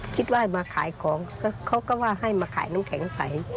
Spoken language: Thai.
คิดว่ามาขายของเขาก็ว่าให้มาขายน้ำแข็งใส